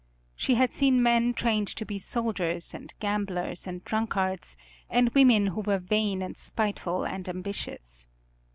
She had seen men trained to be soldiers and gamblers and drunkards, and women who were vain and spiteful and ambitious.